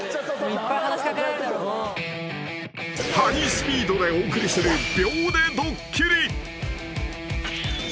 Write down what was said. ［ハイスピードでお送りする］